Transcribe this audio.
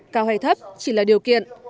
cao hay thấp chỉ là điều kiện